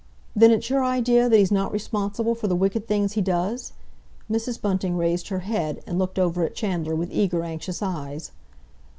"Then it's your idea that he's not responsible for the wicked things he does?" Mrs. Bunting raised her head, and looked over at Chandler with eager, anxious eyes.